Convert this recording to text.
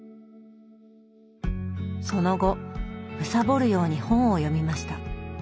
その後むさぼるように本を読みました。